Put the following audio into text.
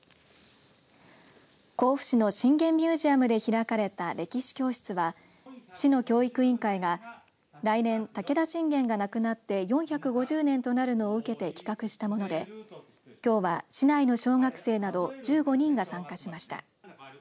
甲府市の信玄ミュージアムで開かれた歴史教室は、市の教育委員会が来年、武田信玄が亡くなって４５０年となるのを受けて企画したものできょうは市内の小学生など１５人が参加しました。